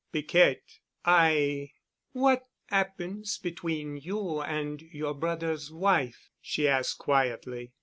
"Piquette, I——" "What 'appens between you an' your brother's wife?" she asked quietly.